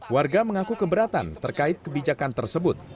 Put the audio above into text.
warga mengaku keberatan terkait kebijakan tersebut